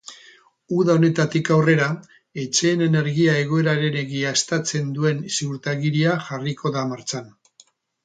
Uda honetatik aurrera, etxeen energia egoera egiaztatzen duen ziurtagiria jarriko da martxan.